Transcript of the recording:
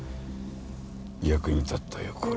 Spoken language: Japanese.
役に立ったよこれ。